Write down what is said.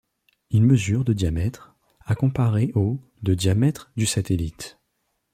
Il mesure de diamètre, à comparer aux de diamètre du satellite.